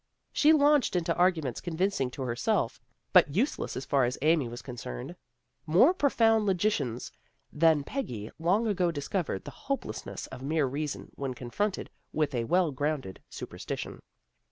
" She launched into arguments convincing to herself, but useless as far as Amy was concerned. More profound logicians than Peggy long ago discovered the hopelessness of mere reason when confronted with a well grounded superstition.